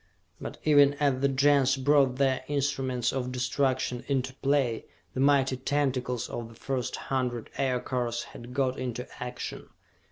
But even as the Gens brought their instruments of destruction into play, the mighty tentacles of the first hundred Aircars had got into action.